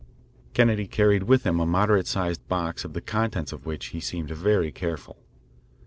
Kennedy carried with him a moderate sized box of the contents of which he seemed very careful.